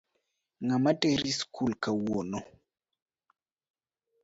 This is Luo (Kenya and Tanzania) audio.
Ng'ama teri sikul kawuono?